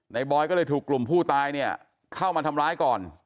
บอยก็เลยถูกกลุ่มผู้ตายเนี่ยเข้ามาทำร้ายก่อน